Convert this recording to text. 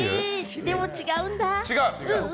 でも違うんだ。